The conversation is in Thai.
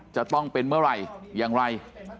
จะต้องเป็นเมื่อไหร่อย่างไร